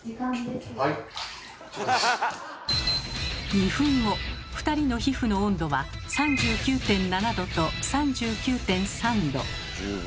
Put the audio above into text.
２分後２人の皮膚の温度は３９．７℃と３９．３℃。